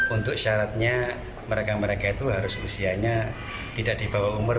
untuk syaratnya mereka mereka itu harus usianya tidak di bawah umur